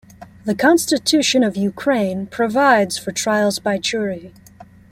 The Constitution of Ukraine provides for trials by jury.